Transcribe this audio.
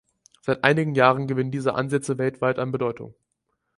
Seit einigen Jahren gewinnen diese Ansätze weltweit an Bedeutung.